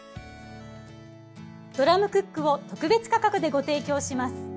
ドラムクックを特別価格でご提供します。